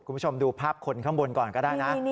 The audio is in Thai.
คุณผู้ชมดูภาพคนข้างบนก่อนก็ได้นะ